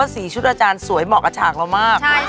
สีชุดอาจารย์สวยเหมาะกับฉากเรามาก